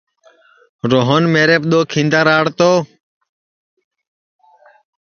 روہن میریپ دؔو کھیندا راݪ تو